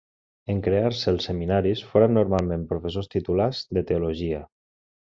En crear-se els seminaris, foren normalment professors titulars de teologia.